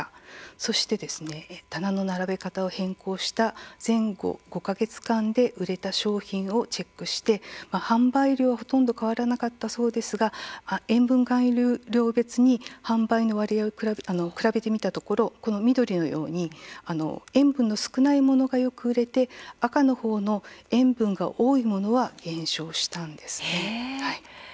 そして棚の並べ方を変更した前後５か月間で売れた商品をチェックして販売量はほとんど変わらなかったそうですが塩分含有量別に販売割合を比べてみた結果この緑のように塩分の少ないものがよく売れて赤の方の塩分が多いものは減少したんです。